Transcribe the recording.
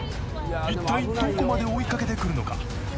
一体どこまで追いかけてくるのか？